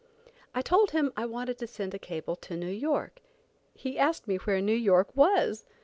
I told him I wanted to send a cable to New York. He asked me where New York was!